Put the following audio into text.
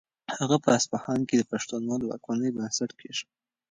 هغه په اصفهان کې د پښتنو د واکمنۍ بنسټ کېښود.